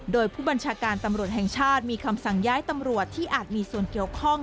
โดยผู้บัญชาการตำรวจแห่งชาติมีคำสั่งย้ายตำรวจที่อาจมีส่วนเกี่ยวข้อง